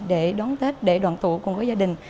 đón tết để đoàn tụ cùng với gia đình